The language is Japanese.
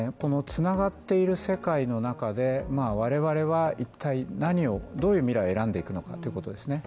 つながっている世界の中で我々は一体何を、どういう未来を選んでいくのかということですね。